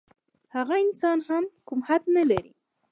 هغه انسان هم کوم حد نه لري.